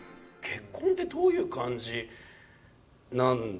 結婚ってどういう感じなんですか？